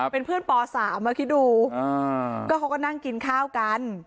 เป็นเพื่อนป๓มาคิดดูก็เขาก็นั่งกินข้าวกัน